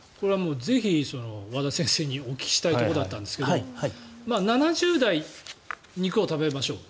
ぜひ、和田先生にお聞きしたいとこだったんですが７０代、肉を食べましょう。